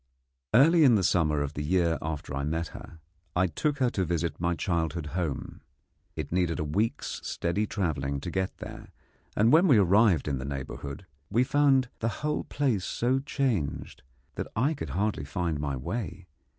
Early in the summer of the year after I had met her, I took her to visit my childhood home. It needed a week's steady travelling to get there, and when we arrived in the neighbourhood we found the whole place so changed that I could hardly find my way.